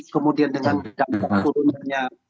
kemudian dengan dampak turunannya